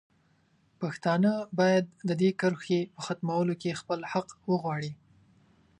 پښتانه باید د دې کرښې په ختمولو کې خپل حق وغواړي.